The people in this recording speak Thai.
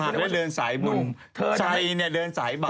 ปากเดินสายบุญชายเนี่ยเดินสายบาป